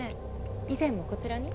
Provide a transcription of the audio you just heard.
以前もこちらに？